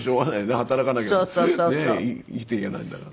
働かなきゃねえ生きていけないんだから。